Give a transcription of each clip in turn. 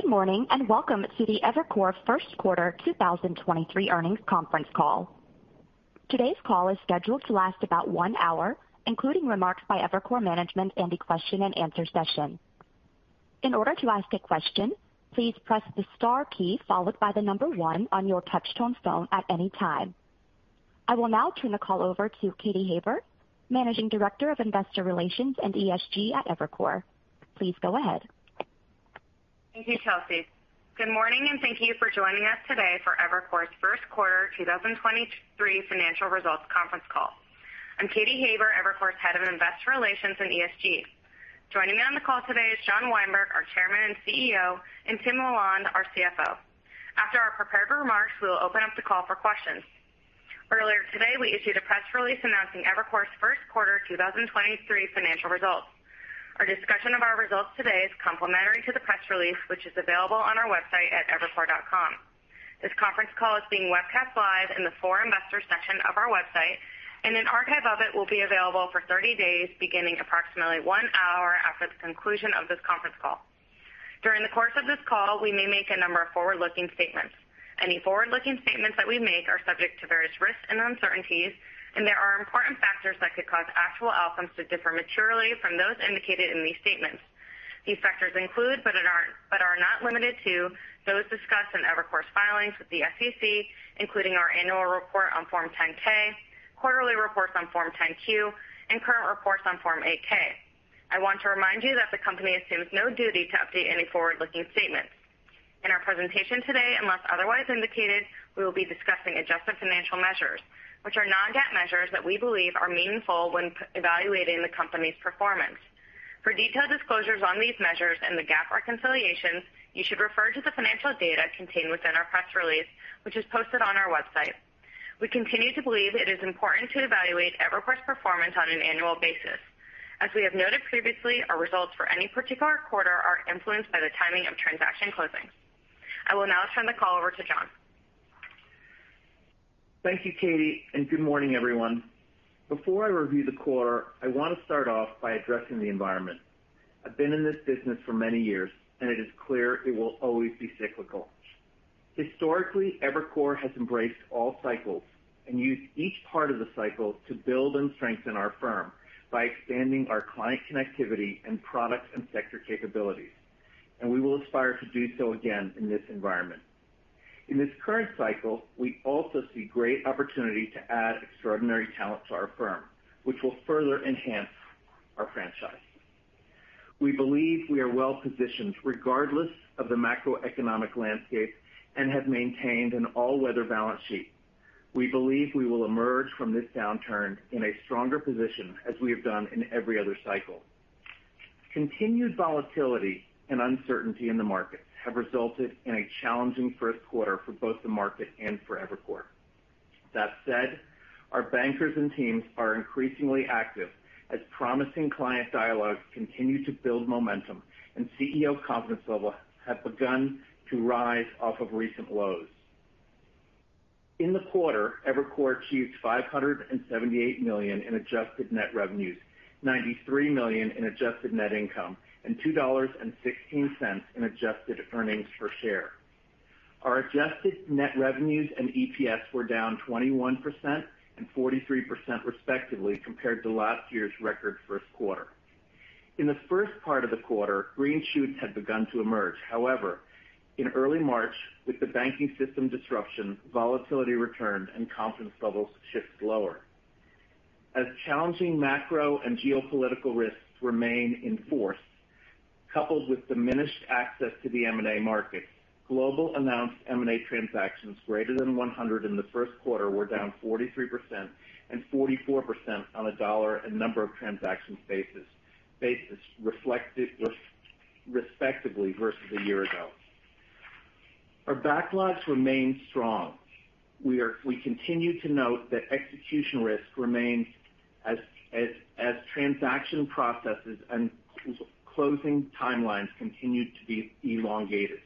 Good morning, welcome to the Evercore First Quarter 2023 Earnings Conference Call. Today's call is scheduled to last about one hour, including remarks by Evercore management and a question-and-answer session. In order to ask a question, please press the star key followed by the number one on your touch-tone phone at any time. I will now turn the call over to Katy Haber, Managing Director of Investor Relations and ESG at Evercore. Please go ahead. Thank you, Chelsey. Good morning, thank you for joining us today for Evercore's first quarter 2023 financial results conference call. I'm Katy Haber, Evercore's Head of Investor Relations and ESG. Joining me on the call today is John Weinberg, our Chairman and CEO, and Tim LaLonde, our CFO. After our prepared remarks, we will open up the call for questions. Earlier today, we issued a press release announcing Evercore's first quarter 2023 financial results. Our discussion of our results today is complementary to the press release, which is available on our website at evercore.com. This conference call is being webcast live in the For Investors section of our website, an archive of it will be available for 30 days beginning approximately one hour after the conclusion of this conference call. During the course of this call, we may make a number of forward-looking statements. Any forward-looking statements that we make are subject to various risks and uncertainties. There are important factors that could cause actual outcomes to differ materially from those indicated in these statements. These factors include, but are not limited to those discussed in Evercore's filings with the SEC, including our annual report on Form 10-K, quarterly reports on Form 10-Q, and current reports on Form 8-K. I want to remind you that the company assumes no duty to update any forward-looking statements. In our presentation today, unless otherwise indicated, we will be discussing adjusted financial measures, which are non-GAAP measures that we believe are meaningful when evaluating the company's performance. For detailed disclosures on these measures and the GAAP reconciliations, you should refer to the financial data contained within our press release, which is posted on our website. We continue to believe it is important to evaluate Evercore's performance on an annual basis. As we have noted previously, our results for any particular quarter are influenced by the timing of transaction closings. I will now turn the call over to John. Thank you, Katy, and good morning, everyone. Before I review the quarter, I want to start off by addressing the environment. I've been in this business for many years, and it is clear it will always be cyclical. Historically, Evercore has embraced all cycles and used each part of the cycle to build and strengthen our firm by expanding our client connectivity and product and sector capabilities, and we will aspire to do so again in this environment. In this current cycle, we also see great opportunity to add extraordinary talent to our firm, which will further enhance our franchise. We believe we are well positioned regardless of the macroeconomic landscape and have maintained an all-weather balance sheet. We believe we will emerge from this downturn in a stronger position as we have done in every other cycle. Continued volatility and uncertainty in the market have resulted in a challenging first quarter for both the market and for Evercore. That said, our bankers and teams are increasingly active as promising client dialogues continue to build momentum, and CEO confidence level have begun to rise off of recent lows. In the quarter, Evercore achieved $578 million in adjusted net revenues, $93 million in adjusted net income, and $2.16 in adjusted earnings per share. Our adjusted net revenues and EPS were down 21% and 43%, respectively, compared to last year's record first quarter. In the first part of the quarter, green shoots had begun to emerge. However, in early March, with the banking system disruption, volatility returned and confidence levels shift lower. As challenging macro and geopolitical risks remain in force, coupled with diminished access to the M&A market, global announced M&A transactions greater than 100 in the first quarter were down 43% and 44% on a dollar and number of transactions basis reflected respectively versus a year ago. Our backlogs remain strong. We continue to note that execution risk remains as transaction processes and closing timelines continue to be elongated.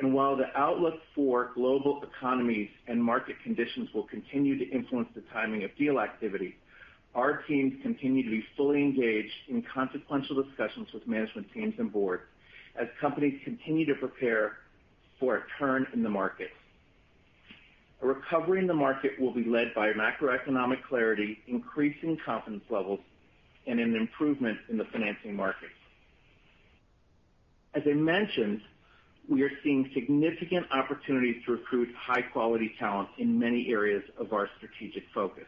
While the outlook for global economies and market conditions will continue to influence the timing of deal activity, our teams continue to be fully engaged in consequential discussions with management teams and boards as companies continue to prepare for a turn in the market. A recovery in the market will be led by macroeconomic clarity, increasing confidence levels, and an improvement in the financing markets. As I mentioned, we are seeing significant opportunities to recruit high-quality talent in many areas of our strategic focus.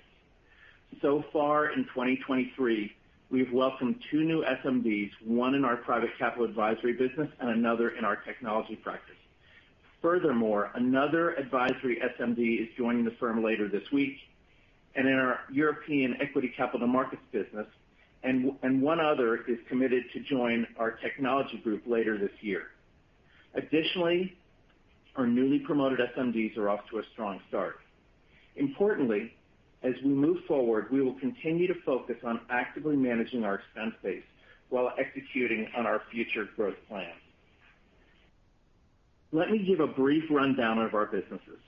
So far in 2023, we've welcomed two new SMDs, one in our Private Capital Advisory business and another in our technology practice. Another advisory SMD is joining the firm later this week in our European equity capital markets business, and one other is committed to join our technology group later this year. Our newly promoted SMDs are off to a strong start. As we move forward, we will continue to focus on actively managing our expense base while executing on our future growth plans. Let me give a brief rundown of our businesses.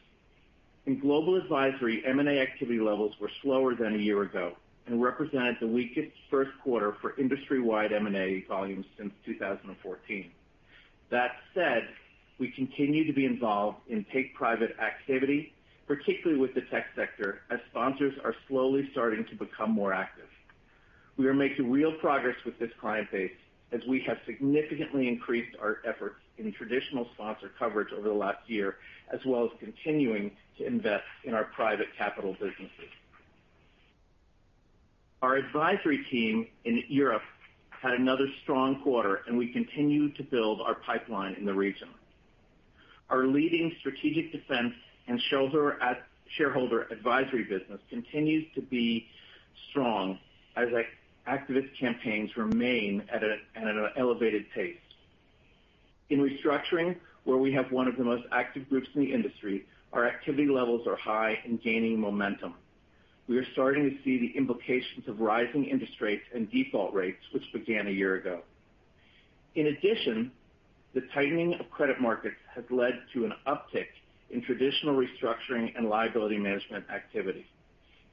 In global advisory, M&A activity levels were slower than a year ago and represented the weakest first quarter for industry-wide M&A volumes since 2014. We continue to be involved in take private activity, particularly with the tech sector, as sponsors are slowly starting to become more active. We are making real progress with this client base as we have significantly increased our efforts in traditional sponsor coverage over the last year, as well as continuing to invest in our private capital businesses. Our advisory team in Europe had another strong quarter. We continue to build our pipeline in the region. Our leading strategic defense and shareholder advisory business continues to be strong as activist campaigns remain at an elevated pace. In restructuring, where we have 1 of the most active groups in the industry, our activity levels are high and gaining momentum. We are starting to see the implications of rising interest rates and default rates, which began a year ago. In addition, the tightening of credit markets has led to an uptick in traditional restructuring and liability management activity.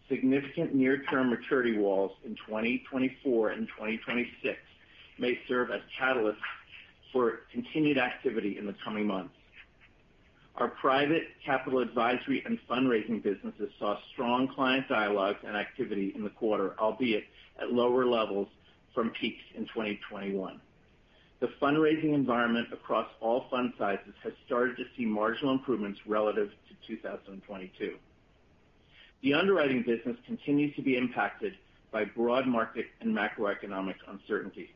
Significant near term maturity walls in 2024 and 2026 may serve as catalysts for continued activity in the coming months. Our Private Capital Advisory and fundraising businesses saw strong client dialogues and activity in the quarter, albeit at lower levels from peaks in 2021. The fundraising environment across all fund sizes has started to see marginal improvements relative to 2022. The underwriting business continues to be impacted by broad market and macroeconomic uncertainty.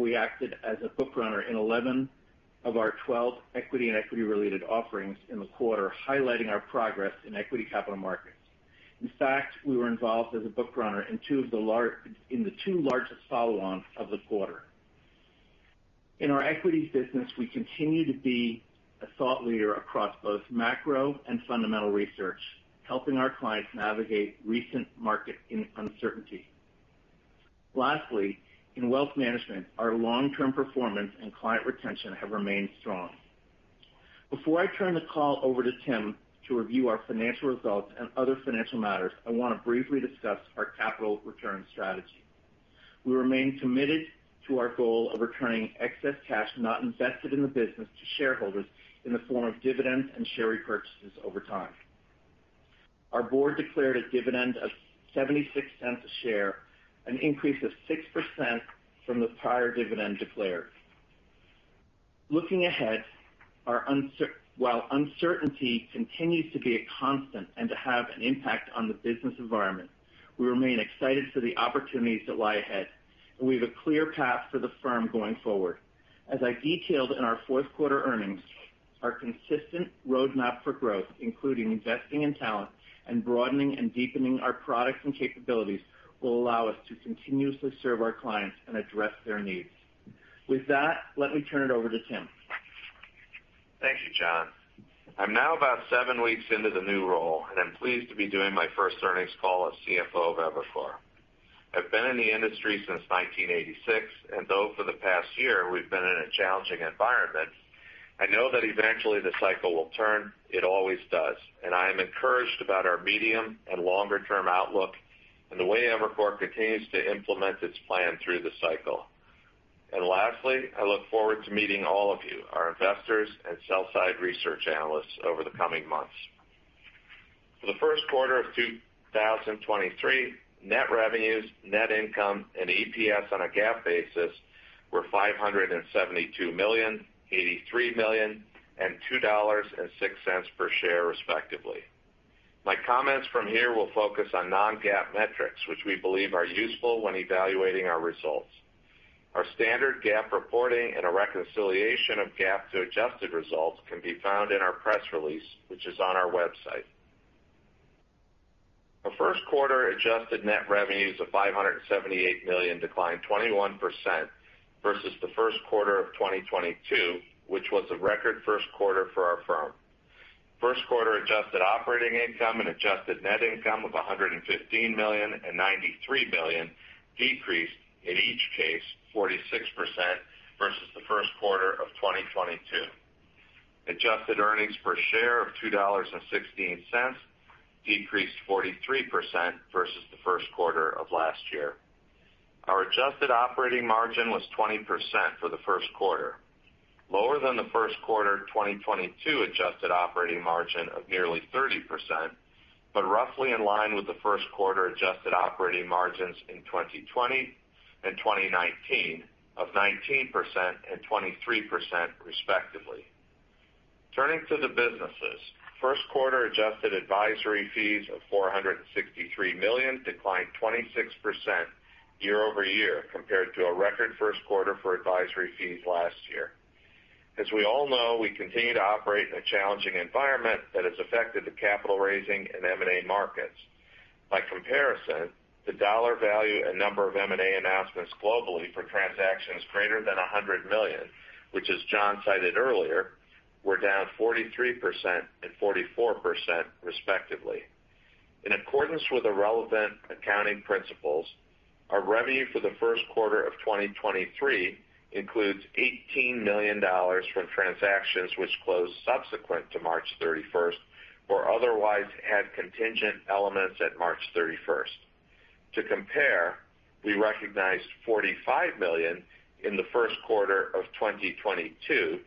We acted as a book runner in 11 of our 12 equity and equity-related offerings in the quarter, highlighting our progress in Equity Capital Markets. In fact, we were involved as a book runner in two of the two largest follow-ons of the quarter. In our equities business, we continue to be a thought leader across both macro and fundamental research, helping our clients navigate recent market uncertainty. Lastly, in wealth management, our long-term performance and client retention have remained strong. Before I turn the call over to Tim to review our financial results and other financial matters, I want to briefly discuss our capital return strategy. We remain committed to our goal of returning excess cash not invested in the business to shareholders in the form of dividends and share repurchases over time. Our board declared a dividend of $0.76 a share, an increase of 6% from the prior dividend declared. Looking ahead, while uncertainty continues to be a constant and to have an impact on the business environment, we remain excited for the opportunities that lie ahead, we have a clear path for the firm going forward. As I detailed in our fourth quarter earnings, our consistent roadmap for growth, including investing in talent and broadening and deepening our products and capabilities, will allow us to continuously serve our clients and address their needs. With that, let me turn it over to Tim. Thank you, John. I'm now about seven weeks into the new role. I'm pleased to be doing my first earnings call as CFO of Evercore. I've been in the industry since 1986, though for the past year we've been in a challenging environment, I know that eventually the cycle will turn. It always does. I am encouraged about our medium and longer term outlook and the way Evercore continues to implement its plan through the cycle. Lastly, I look forward to meeting all of you, our investors and sell side research analysts over the coming months. For the first quarter of 2023, net revenues, net income and EPS on a GAAP basis were $572 million, $83 million and $2.06 per share, respectively. My comments from here will focus on non-GAAP metrics, which we believe are useful when evaluating our results. Our standard GAAP reporting and a reconciliation of GAAP to adjusted results can be found in our press release, which is on our website. Our first quarter adjusted net revenues of $578 million declined 21% versus the first quarter of 2022, which was a record first quarter for our firm. First quarter adjusted operating income and adjusted net income of $115 million and $93 million decreased in each case 46% versus the first quarter of 2022. Adjusted earnings per share of $2.16 decreased 43% versus the first quarter of last year. Our adjusted operating margin was 20% for the first quarter, lower than the first quarter 2022 adjusted operating margin of nearly 30%, but roughly in line with the first quarter adjusted operating margins in 2020 and 2019 of 19% and 23%, respectively. Turning to the businesses, first quarter adjusted advisory fees of $463 million declined 26% year-over-year compared to a record first quarter for advisory fees last year. As we all know, we continue to operate in a challenging environment that has affected the capital raising and M&A markets. By comparison, the dollar value and number of M&A announcements globally for transactions greater than 100 million, which as John cited earlier, were down 43% and 44%, respectively. In accordance with the relevant accounting principles, our revenue for the first quarter of 2023 includes $18 million from transactions which closed subsequent to March 31st, or otherwise had contingent elements at March 31st. To compare, we recognized $45 million in the first quarter of 2022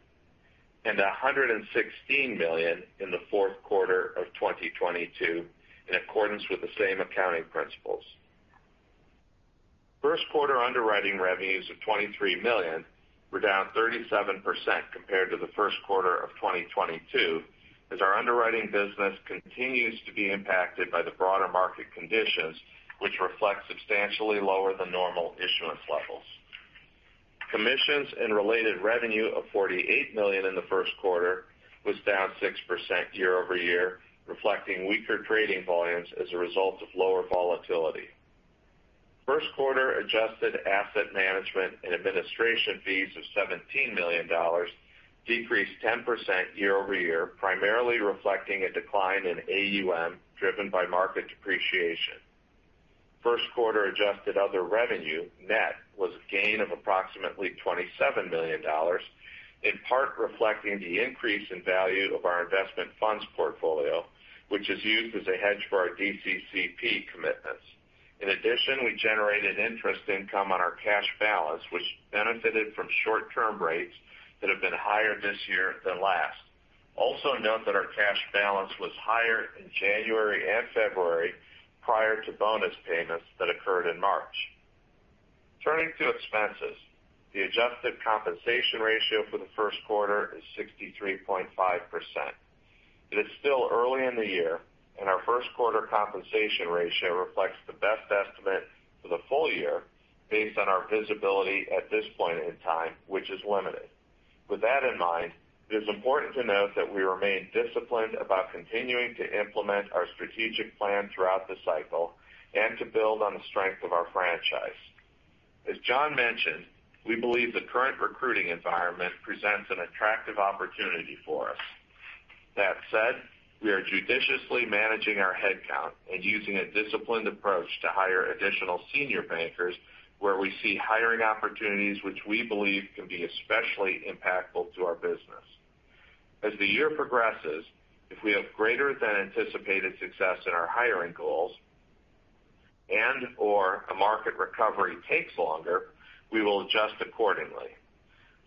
and $116 million in the fourth quarter of 2022 in accordance with the same accounting principles. First quarter underwriting revenues of $23 million were down 37% compared to the first quarter of 2022, as our underwriting business continues to be impacted by the broader market conditions, which reflect substantially lower than normal issuance levels. Commissions and related revenue of $48 million in the first quarter was down 6% year-over-year, reflecting weaker trading volumes as a result of lower volatility. First quarter adjusted asset management and administration fees of $17 million decreased 10% year-over-year, primarily reflecting a decline in AUM driven by market depreciation. First quarter adjusted other revenue net was a gain of approximately $27 million, in part reflecting the increase in value of our investment funds portfolio, which is used as a hedge for our DCCP commitments. In addition, we generated interest income on our cash balance, which benefited from short-term rates that have been higher this year than last. Also note that our cash balance was higher in January and February prior to bonus payments that occurred in March. Turning to expenses. The adjusted compensation ratio for the first quarter is 63.5%. It is still early in the year, and our first quarter compensation ratio reflects the best estimate for the full year based on our visibility at this point in time, which is limited. With that in mind, it is important to note that we remain disciplined about continuing to implement our strategic plan throughout the cycle and to build on the strength of our franchise. As John mentioned, we believe the current recruiting environment presents an attractive opportunity for us. That said, we are judiciously managing our headcount and using a disciplined approach to hire additional senior bankers where we see hiring opportunities which we believe can be especially impactful to our business. As the year progresses, if we have greater than anticipated success in our hiring goals and or a market recovery takes longer, we will adjust accordingly.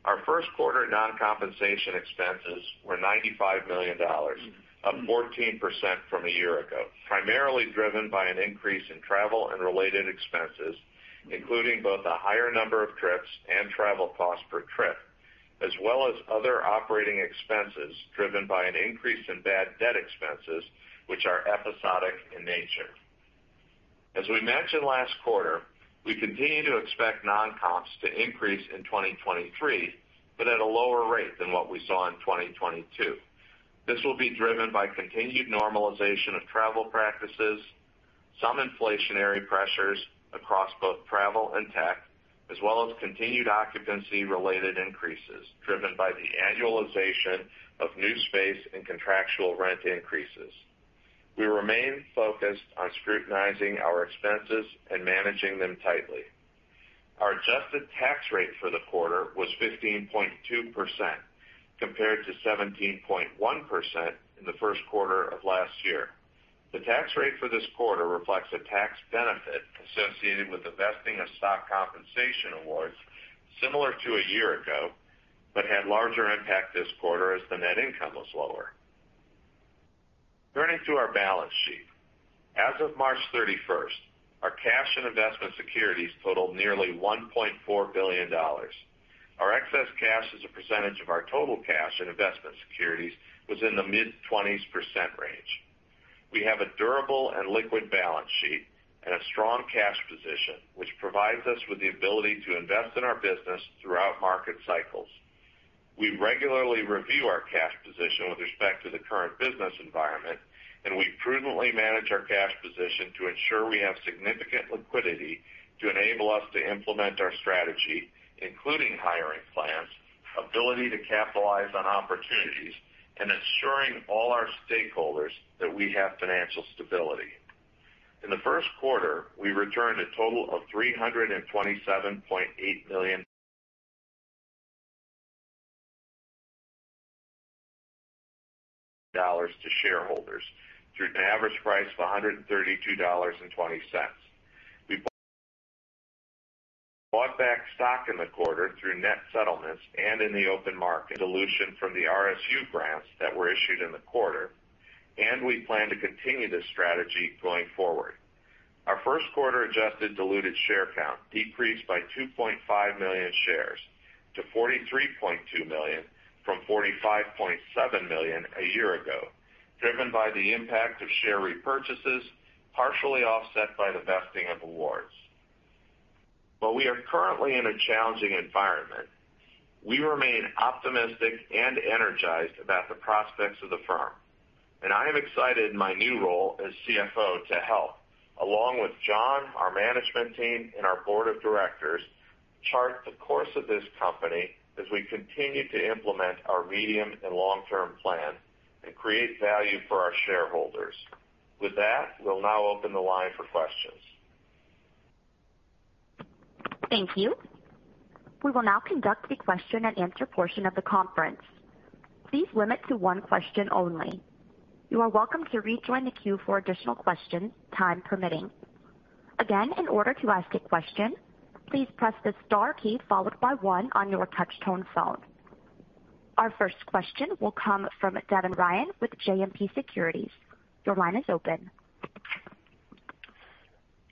Our first quarter non-compensation expenses were $95 million, up 14% from a year ago, primarily driven by an increase in travel and related expenses, including both a higher number of trips and travel costs per trip, as well as other operating expenses driven by an increase in bad debt expenses, which are episodic in nature. As we mentioned last quarter, we continue to expect non-comps to increase in 2023, but at a lower rate than what we saw in 2022. This will be driven by continued normalization of travel practices, some inflationary pressures across both travel and tech, as well as continued occupancy-related increases driven by the annualization of new space and contractual rent increases. We remain focused on scrutinizing our expenses and managing them tightly. Our adjusted tax rate for the quarter was 15.2%, compared to 17.1% in the first quarter of last year. The tax rate for this quarter reflects a tax benefit associated with the vesting of stock compensation awards similar to a year ago, had larger impact this quarter as the net income was lower. Turning to our balance sheet. As of March 31st, our cash and investment securities totaled nearly $1.4 billion. Our excess cash as a percentage of our total cash in investment securities was in the mid-20s% range. We have a durable and liquid balance sheet and a strong cash position, which provides us with the ability to invest in our business throughout market cycles. We regularly review our cash position with respect to the current business environment, and we prudently manage our cash position to ensure we have significant liquidity to enable us to implement our strategy, including hiring plans, ability to capitalize on opportunities, and ensuring all our stakeholders that we have financial stability. In the first quarter, we returned a total of $327.8 million to shareholders through an average price of $132.20. We bought back stock in the quarter through net settlements and in the open market dilution from the RSU grants that were issued in the quarter, and we plan to continue this strategy going forward. Our first quarter adjusted diluted share count decreased by 2.5 million shares to 43.2 million from 45.7 million a year ago, driven by the impact of share repurchases, partially offset by the vesting of awards. While we are currently in a challenging environment, we remain optimistic and energized about the prospects of the Evercore. I am excited in my new role as CFO to help, along with John, our management team, and our board of directors chart the course of this Evercore as we continue to implement our medium and long-term plan and create value for our shareholders. With that, we'll now open the line for questions. Thank you. We will now conduct the question-and-answer portion of the conference. Please limit to one question only. You are welcome to rejoin the queue for additional questions, time permitting. Again, in order to ask a question, please press the star key followed by one on your touchtone phone. Our first question will come from Devin Ryan with JMP Securities. Your line is open.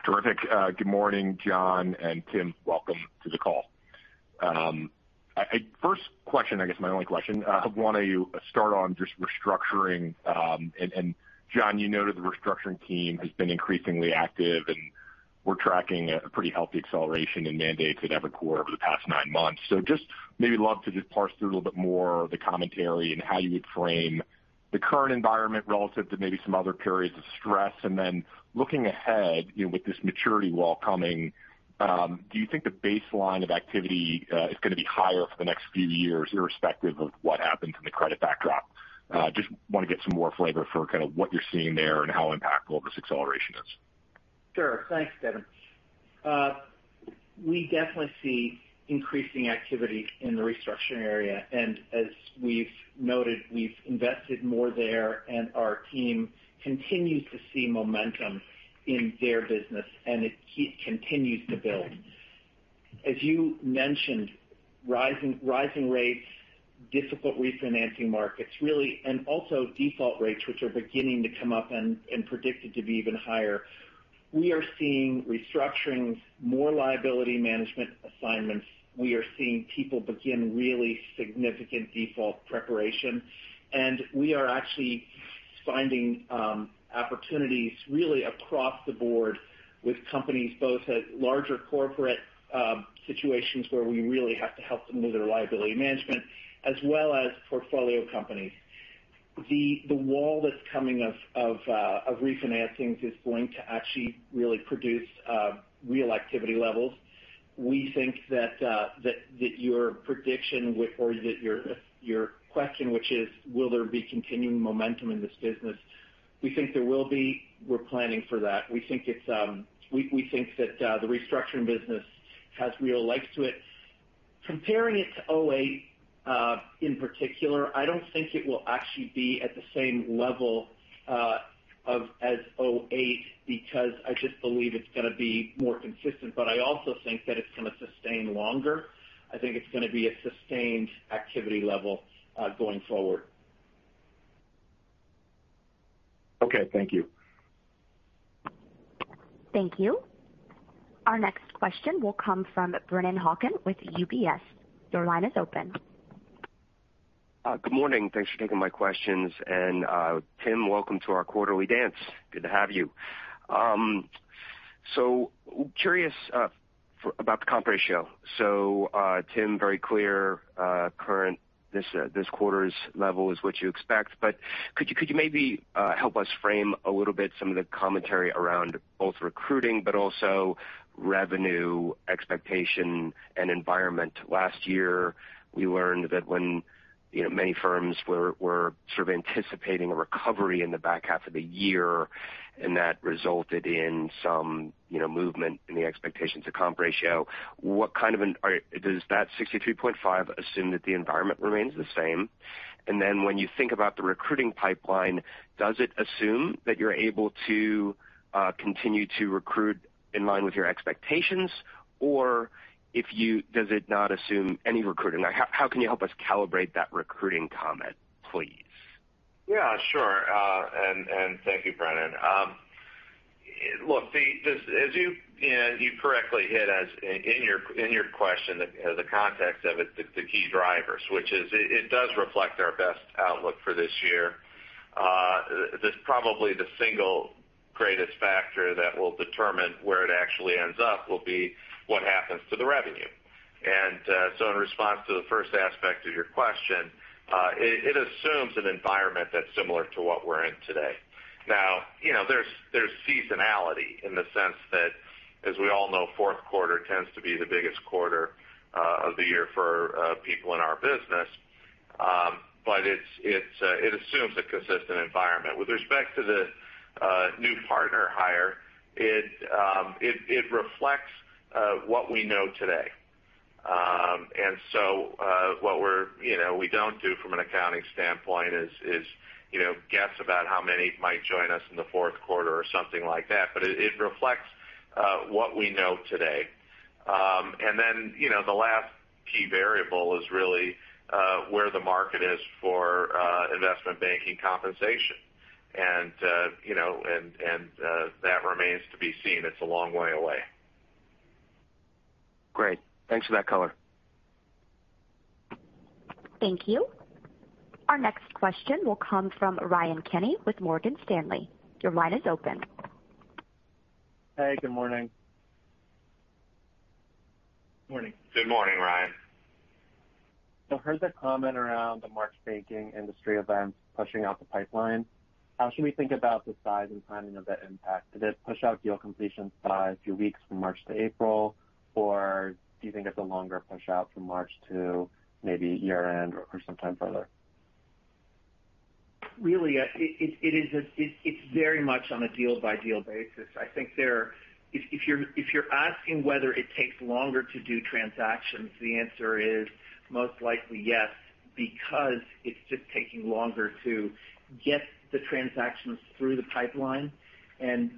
Terrific. Good morning, John and Tim, welcome to the call. I first question, I guess my only question, want to start on just restructuring. John, you noted the restructuring team has been increasingly active, and we're tracking a pretty healthy acceleration in mandates at Evercore over the past 9 months. Just maybe love to just parse through a little bit more of the commentary and how you would frame the current environment relative to maybe some other periods of stress. Looking ahead, you know, with this maturity wall coming, do you think the baseline of activity is gonna be higher for the next few years irrespective of what happens in the credit backdrop? Just wanna get some more flavor for kinda what you're seeing there and how impactful this acceleration is. Sure. Thanks, Devin. We definitely see increasing activity in the restructuring area, and as we've noted, we've invested more there, and our team continues to see momentum in their business, and it continues to build. As you mentioned, rising rates, difficult refinancing markets, really, and also default rates, which are beginning to come up and predicted to be even higher. We are seeing restructurings, more liability management assignments. We are seeing people begin really significant default preparation, and we are actually finding opportunities really across the board with companies, both at larger corporate situations where we really have to help them with their liability management as well as portfolio companies. The wall that's coming of refinancings is going to actually really produce real activity levels. We think that your prediction or your question, which is will there be continuing momentum in this business? We think there will be. We're planning for that. We think that the restructuring business has real legs to it. Comparing it to 2008 in particular, I don't think it will actually be at the same level of as 2008 because I just believe it's gonna be more consistent. I also think that it's gonna sustain longer. I think it's gonna be a sustained activity level going forward. Okay. Thank you. Thank you. Our next question will come from Brennan Hawken with UBS. Your line is open. Good morning. Thanks for taking my questions. Tim, welcome to our quarterly dance. Good to have you. Curious about the comp ratio. Tim, very clear, current, this quarter's level is what you expect, but could you maybe help us frame a little bit some of the commentary around both recruiting but also revenue expectation and environment? Last year, we learned that when, you know, many firms were sort of anticipating a recovery in the back half of the year, and that resulted in some, you know, movement in the expectations of comp ratio. What kind of does that 62.5% assume that the environment remains the same? Then when you think about the recruiting pipeline, does it assume that you're able to continue to recruit in line with your expectations? Or does it not assume any recruiting? How can you help us calibrate that recruiting comment, please? Yeah, sure. And thank you, Brennan. Look, as you know, you correctly hit as in your question, the context of it, the key drivers, which is it does reflect our best outlook for this year. This is probably the single greatest factor that will determine where it actually ends up will be what happens to the revenue. So in response to the first aspect of your question, it assumes an environment that's similar to what we're in today. Now, you know, there's seasonality in the sense that, as we all know, fourth quarter tends to be the biggest quarter of the year for people in our business. It's, it assumes a consistent environment. With respect to the new partner hire, it reflects what we know today. What we're, you know, we don't do from an accounting standpoint is, you know, guess about how many might join us in the fourth quarter or something like that, but it reflects what we know today. You know, the last key variable is really where the market is for investment banking compensation. You know, that remains to be seen. It's a long way away. Great. Thanks for that color. Thank you. Our next question will come from Ryan Kenny with Morgan Stanley. Your line is open. Hey, good morning. Morning. Good morning, Ryan. I heard the comment around the March banking industry events pushing out the pipeline. How should we think about the size and timing of that impact? Did it push out deal completion by a few weeks from March to April? Do you think it's a longer push out from March to maybe year-end or sometime further? Really, it's very much on a deal by deal basis. I think if you're asking whether it takes longer to do transactions, the answer is most likely yes, because it's just taking longer to get the transactions through the pipeline.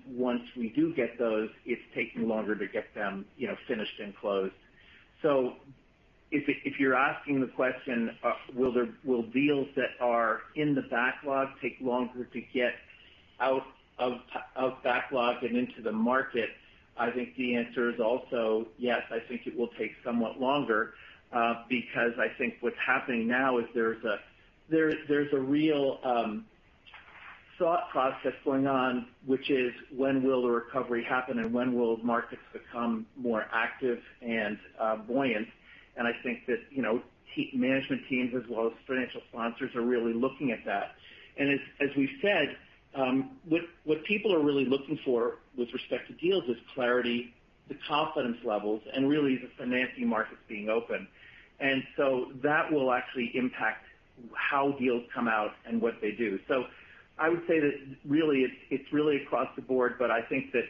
Once we do get those, it's taking longer to get them, you know, finished and closed. If you're asking the question, will deals that are in the backlog take longer to get out of backlog and into the market, I think the answer is also yes. I think it will take somewhat longer, because I think what's happening now is there's a real thought process going on, which is when will the recovery happen and when will markets become more active and buoyant. I think that, you know, management teams as well as financial sponsors are really looking at that. As we've said, what people are really looking for with respect to deals is clarity, the confidence levels, and really the financing markets being open. That will actually impact how deals come out and what they do. I would say that really it's really across the board, but I think that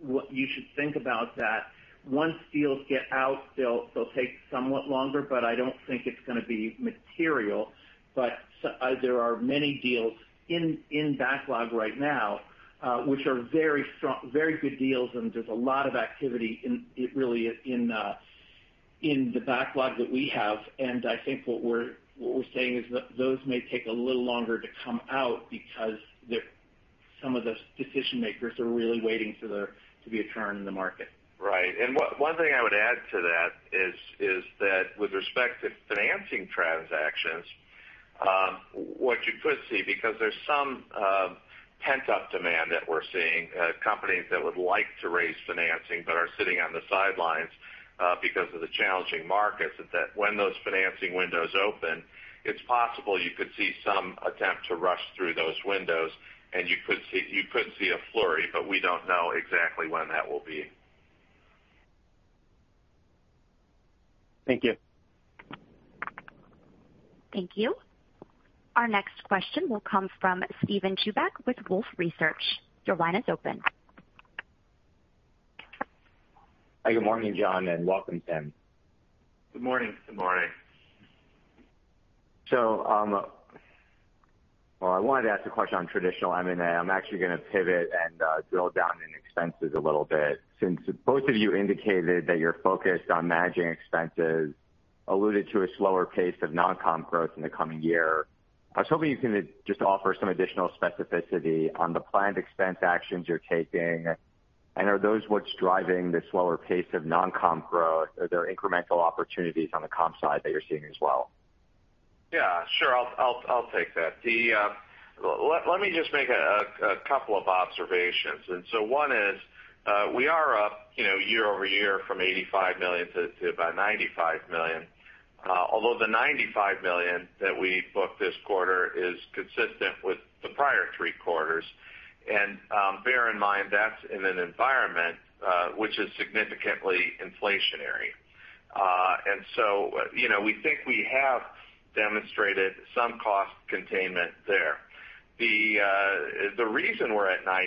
what you should think about that once deals get out, they'll take somewhat longer, but I don't think it's gonna be material. There are many deals in backlog right now, which are very strong, very good deals, and there's a lot of activity in it really in the backlog that we have. I think what we're saying is those may take a little longer to come out because they're some of the decision makers are really waiting for there to be a turn in the market. Right. One thing I would add to that is that with respect to financing transactions, what you could see, because there's some pent-up demand that we're seeing, companies that would like to raise financing but are sitting on the sidelines, because of the challenging markets, is that when those financing windows open, it's possible you could see some attempt to rush through those windows and you could see a flurry, but we don't know exactly when that will be. Thank you. Thank you. Our next question will come from Steven Chubak with Wolfe Research. Your line is open. Hi, good morning, John, and welcome, Tim. Good morning. Good morning. Well, I wanted to ask a question on traditional M&A. I'm actually gonna pivot and drill down in expenses a little bit. Since both of you indicated that you're focused on managing expenses, alluded to a slower pace of non-comp growth in the coming year, I was hoping you could just offer some additional specificity on the planned expense actions you're taking, and are those what's driving the slower pace of non-comp growth? Are there incremental opportunities on the comp side that you're seeing as well? Yeah, sure. I'll take that. Let me just make a couple of observations. One is, we are up, you know, year-over-year from $85 million to about $95 million, although the $95 million that we booked this quarter is consistent with the prior three quarters. Bear in mind, that's in an environment which is significantly inflationary. You know, we think we have demonstrated some cost containment there. The reason we're at $95,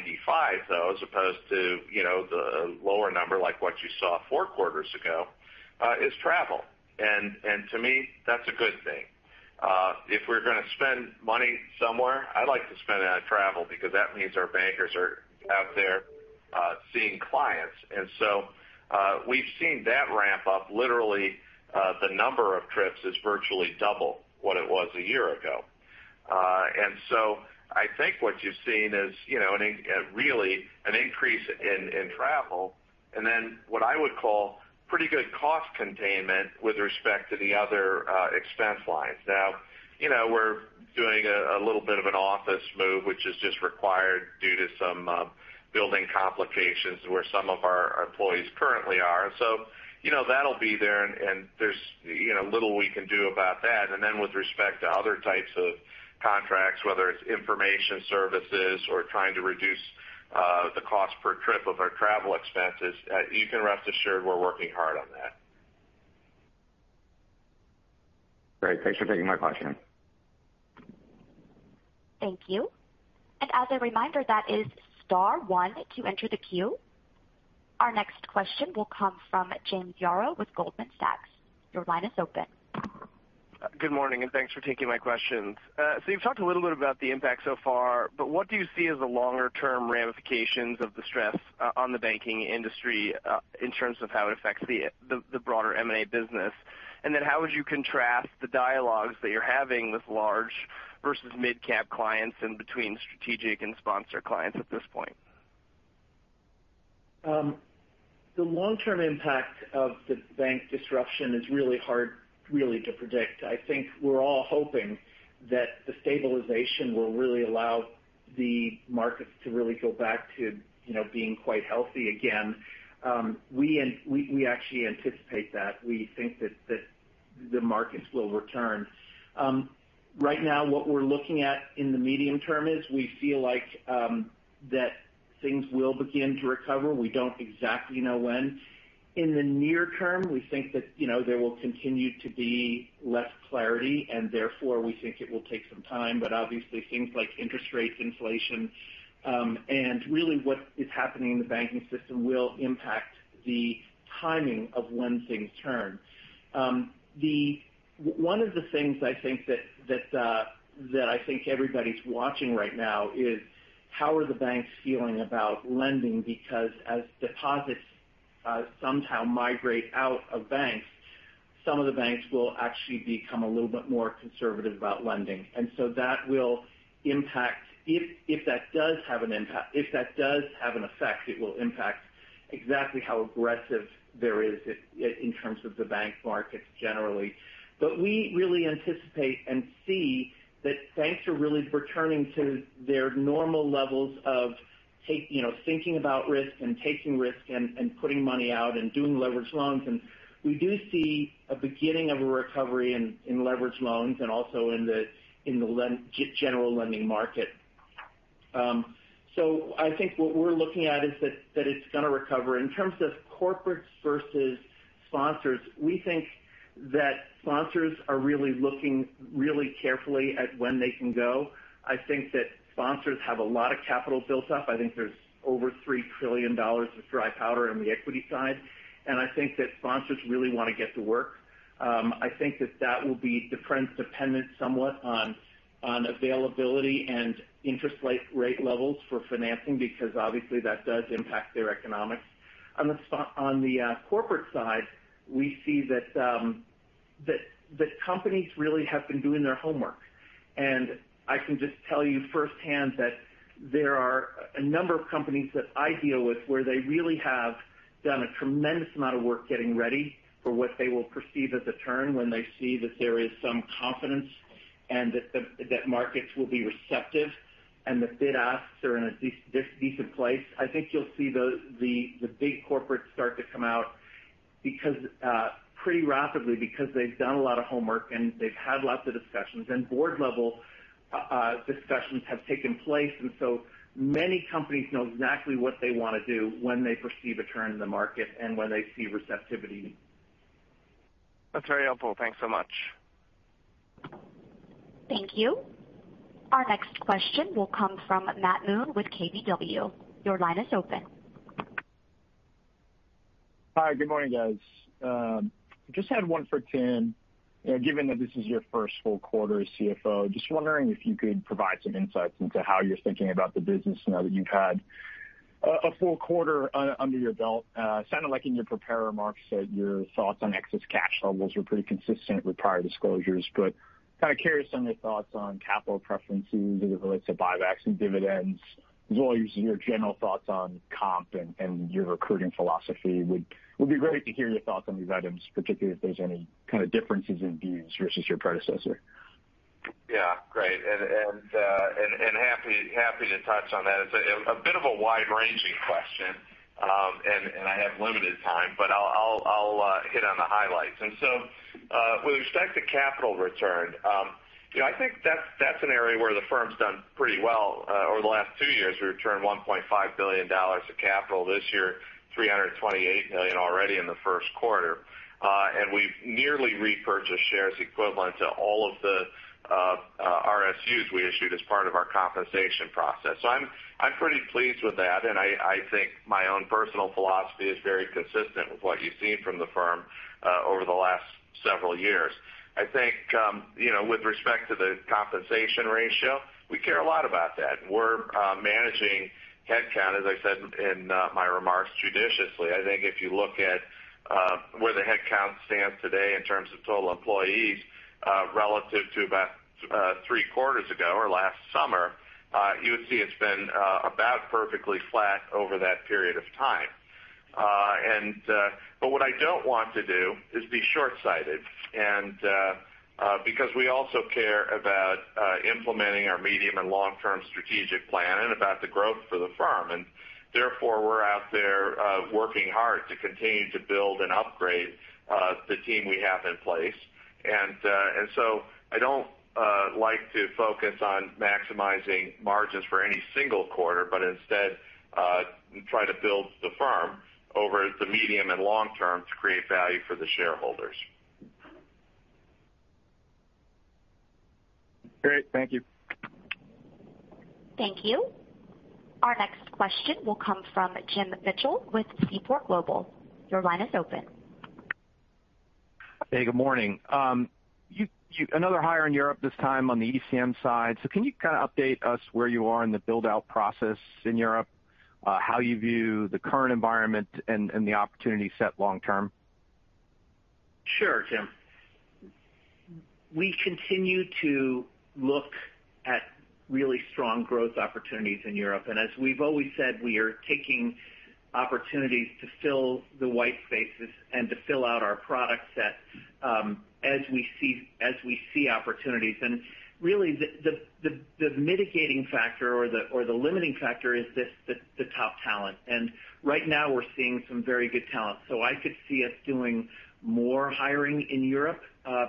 though, as opposed to, you know, the lower number like what you saw four quarters ago, is travel. To me, that's a good thing. If we're gonna spend money somewhere, I like to spend it on travel because that means our bankers are out there seeing clients. We've seen that ramp up. Literally, the number of trips is virtually double what it was a year ago. I think what you've seen is, you know, really an increase in travel, and then what I would call pretty good cost containment with respect to the other expense lines. Now, you know, we're doing a little bit of an office move, which is just required due to some building complications where some of our employees currently are. That'll be there and there's, you know, little we can do about that. With respect to other types of contracts, whether it's information services or trying to reduce the cost per trip of our travel expenses, you can rest assured we're working hard on that. Great. Thanks for taking my question. Thank you. As a reminder, that is star, one to enter the queue. Our next question will come from James Yarrow with Goldman Sachs. Your line is open. Good morning, and thanks for taking my questions. You've talked a little bit about the impact so far, but what do you see as the longer term ramifications of the stress on the banking industry in terms of how it affects the broader M&A business? How would you contrast the dialogues that you're having with large versus midcap clients and between strategic and sponsor clients at this point? The long-term impact of the bank disruption is really hard really to predict. I think we're all hoping that the stabilization will really allow the markets to really go back to, you know, being quite healthy again. We actually anticipate that. We think that the markets will return. Right now, what we're looking at in the medium term is we feel like things will begin to recover. We don't exactly know when. In the near term, we think that, you know, there will continue to be less clarity, and therefore, we think it will take some time. But obviously, things like interest rates, inflation, and really what is happening in the banking system will impact the timing of when things turn. One of the things I think that I think everybody's watching right now is how are the banks feeling about lending? Because as deposits somehow migrate out of banks, some of the banks will actually become a little bit more conservative about lending. That will impact. If that does have an effect, it will impact exactly how aggressive there is in terms of the bank markets generally. We really anticipate and see that banks are really returning to their normal levels of you know, thinking about risk and taking risk and putting money out and doing leveraged loans. We do see a beginning of a recovery in leveraged loans and also in the general lending market. I think what we're looking at is that it's gonna recover. In terms of corporates versus sponsors, we think that sponsors are really looking really carefully at when they can go. I think that sponsors have a lot of capital built up. I think there's over $3 trillion of dry powder on the equity side. I think that sponsors really wanna get to work. I think that will be dependent somewhat on availability and interest rate levels for financing, because obviously, that does impact their economics. On the corporate side, we see that companies really have been doing their homework. I can just tell you firsthand that there are a number of companies that I deal with where they really have done a tremendous amount of work getting ready for what they will perceive as a turn when they see that there is some confidence and that markets will be receptive and that bid-asks are in a decent place. I think you'll see the big corporates start to come out pretty rapidly because they've done a lot of homework, and they've had lots of discussions, and board level discussions have taken place. So many companies know exactly what they wanna do when they perceive a turn in the market and when they see receptivity. That's very helpful. Thanks so much. Thank you. Our next question will come from Matt Moon with KBW. Your line is open. Hi. Good morning, guys. Just had one for Tim. Given that this is your first full quarter as CFO, just wondering if you could provide some insights into how you're thinking about the business now that you've had a full quarter under your belt. Sounded like in your prepared remarks that your thoughts on excess cash levels were pretty consistent with prior disclosures. Kinda curious on your thoughts on capital preferences as it relates to buybacks and dividends, as well as your general thoughts on comp and your recruiting philosophy. Would be great to hear your thoughts on these items, particularly if there's any kinda differences in views versus your predecessor. Yeah. Great. Happy to touch on that. It's a bit of a wide-ranging question, and I have limited time, but I'll hit on the highlights. With respect to capital return, you know, I think that's an area where the firm's done pretty well over the last two years. We returned $1.5 billion of capital. This year, $328 million already in the first quarter. We've nearly repurchased shares equivalent to all of the RSUs we issued as part of our compensation process. I'm pretty pleased with that, and I think my own personal philosophy is very consistent with what you've seen from the firm over the last several years. I think, you know, with respect to the compensation ratio, we care a lot about that. We're managing headcount, as I said in my remarks, judiciously. I think if you look at where the headcount stands today in terms of total employees, relative to about three quarters ago or last summer, you would see it's been about perfectly flat over that period of time. What I don't want to do is be shortsighted and because we also care about implementing our medium- and long-term strategic plan and about the growth for the firm. Therefore, we're out there working hard to continue to build and upgrade the team we have in place. I don't like to focus on maximizing margins for any single quarter, but instead, try to build the firm over the medium and long term to create value for the shareholders. Great. Thank you. Thank you. Our next question will come from Jim Mitchell with Seaport Global. Your line is open. Good morning. Another hire in Europe this time on the ECM side. Can you kinda update us where you are in the build-out process in Europe, how you view the current environment and the opportunity set long term? Sure, Jim. We continue to look at really strong growth opportunities in Europe. As we've always said, we are taking opportunities to fill the white spaces and to fill out our product set, as we see opportunities. Really the mitigating factor or the limiting factor is the top talent. Right now we're seeing some very good talent. I could see us doing more hiring in Europe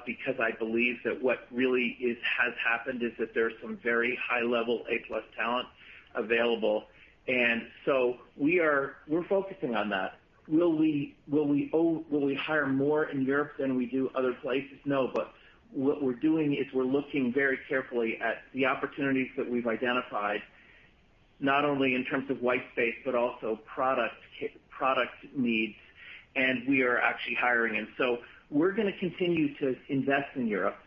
because I believe that what really has happened is that there's some very high-level A+ talent available. We're focusing on that. Will we hire more in Europe than we do other places? No, but what we're doing is we're looking very carefully at the opportunities that we've identified, not only in terms of white space, but also product needs, and we are actually hiring. We're gonna continue to invest in Europe,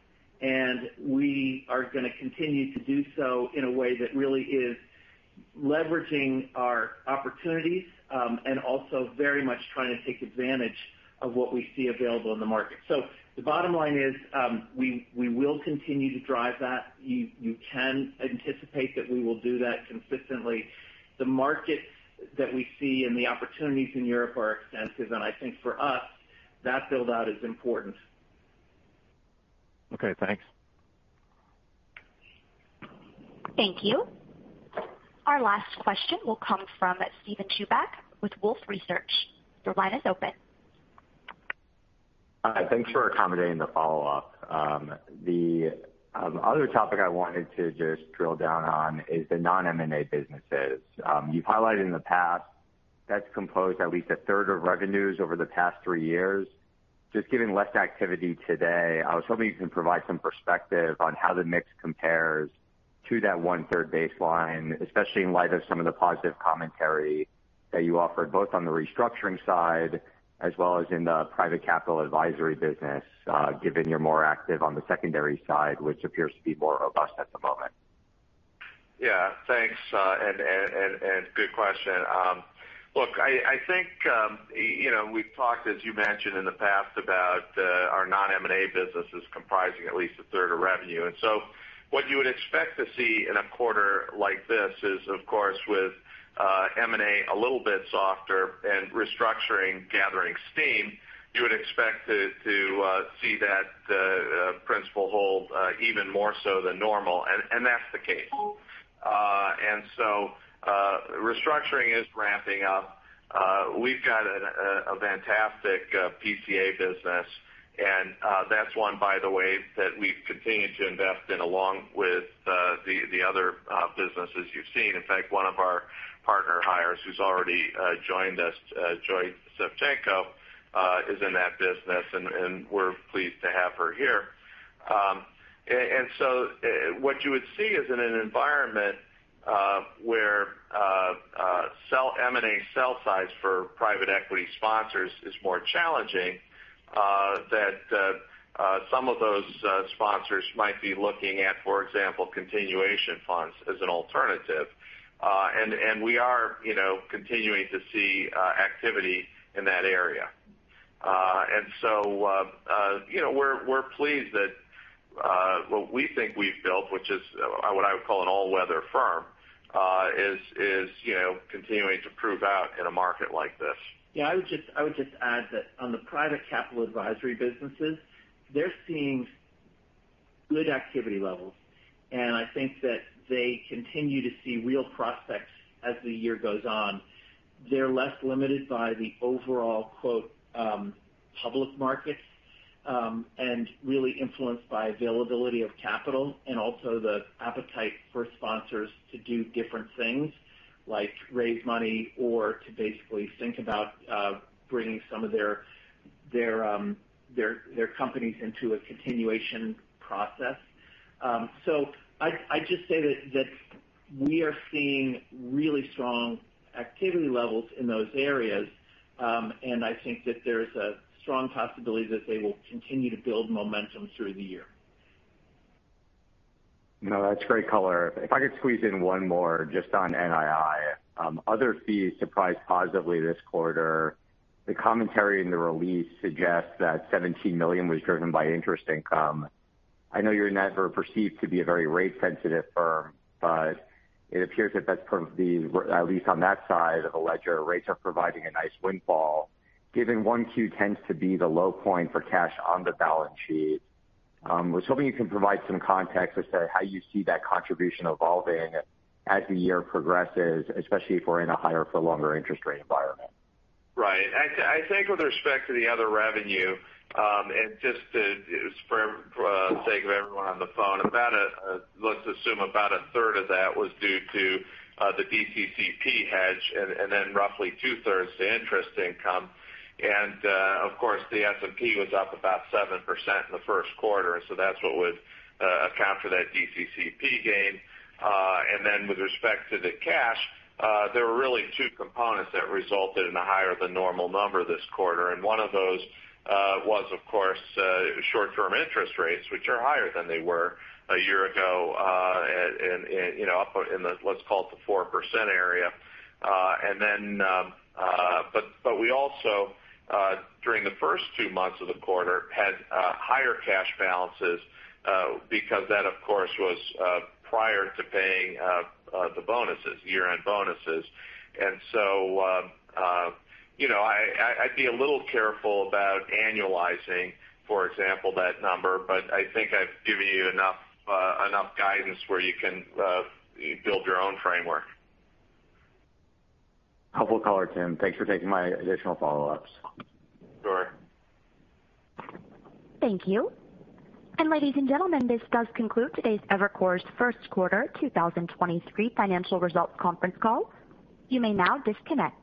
and we are gonna continue to do so in a way that really is leveraging our opportunities, and also very much trying to take advantage of what we see available in the market. The bottom line is, we will continue to drive that. You can anticipate that we will do that consistently. The markets that we see and the opportunities in Europe are extensive, and I think for us, that build-out is important. Okay, thanks. Thank you. Our last question will come from Steven Chubak with Wolfe Research. Your line is open. Hi. Thanks for accommodating the follow-up. The other topic I wanted to just drill down on is the non-M&A businesses. You've highlighted in the past that's composed at least a third of revenues over the past three years. Just given less activity today, I was hoping you can provide some perspective on how the mix compares to that one-third baseline, especially in light of some of the positive commentary that you offered, both on the restructuring side as well as in the Private Capital Advisory business, given you're more active on the secondary side, which appears to be more robust at the moment. Yeah, thanks, and good question. Look, I think, you know, we've talked, as you mentioned in the past about our non-M&A businesses comprising at least 1/3 of revenue. What you would expect to see in a quarter like this is, of course, with M&A a little bit softer and restructuring gathering steam, you would expect to see that principle hold even more so than normal, and that's the case. Restructuring is ramping up. We've got a fantastic PCA business, and that's one by the way that we've continued to invest in along with the other businesses you've seen. In fact, one of our partner hires who's already joined us, Joy Savchenko, is in that business, and we're pleased to have her here. What you would see is in an environment where M&A sell sides for private equity sponsors is more challenging, that some of those sponsors might be looking at, for example, continuation funds as an alternative. We are, you know, continuing to see activity in that area. You know, we're pleased that what we think we've built, which is what I would call an all-weather firm, is, you know, continuing to prove out in a market like this. I would just add that on the Private Capital Advisory businesses, they're seeing good activity levels, and I think that they continue to see real prospects as the year goes on. They're less limited by the overall, quote, "public markets," and really influenced by availability of capital and also the appetite for sponsors to do different things like raise money or to basically think about bringing some of their companies into a continuation process. So I'd just say that we are seeing really strong activity levels in those areas, and I think that there's a strong possibility that they will continue to build momentum through the year. That's great color. If I could squeeze in one more just on NII. Other fees surprised positively this quarter. The commentary in the release suggests that $17 million was driven by interest income. I know you're never perceived to be a very rate-sensitive firm, but it appears that that's proved to be, at least on that side of the ledger, rates are providing a nice windfall. Given 1Q tends to be the low point for cash on the balance sheet, was hoping you can provide some context as to how you see that contribution evolving as the year progresses, especially if we're in a higher for longer interest rate environment. Right. I think with respect to the other revenue, and just to, for sake of everyone on the phone, let's assume about a third of that was due to the DCCP hedge and then roughly two-thirds to interest income. Of course, the S&P was up about 7% in the first quarter, so that's what would account for that DCCP gain. With respect to the cash, there were really two components that resulted in a higher than normal number this quarter. One of those was of course, short-term interest rates, which are higher than they were a year ago, and, you know, up in the, let's call it the 4% area. But we also, during the first two months of the quarter, had higher cash balances, because that of course was prior to paying the bonuses, year-end bonuses. You know, I'd be a little careful about annualizing, for example, that number, but I think I've given you enough guidance where you can build your own framework. Helpful color, Tim. Thanks for taking my additional follow-ups. Sure. Thank you. Ladies and gentlemen, this does conclude today's Evercore's first quarter 2023 financial results conference call. You may now disconnect.